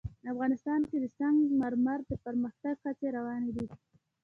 افغانستان کې د سنگ مرمر د پرمختګ هڅې روانې دي.